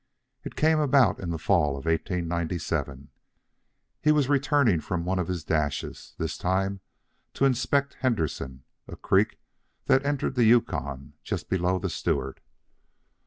It came about in the fall of 1897. He was returning from one of his dashes, this time to inspect Henderson, a creek that entered the Yukon just below the Stewart.